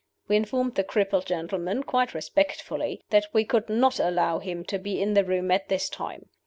We informed the crippled gentleman, quite respectfully, that we could not allow him to be in the room at this time.